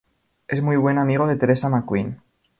Es muy buen amigo de Theresa McQueen.